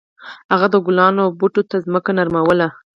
هغه د ګلانو او بوټو ته ځمکه نرموله.